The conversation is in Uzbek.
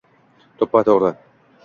To’ppa tugri...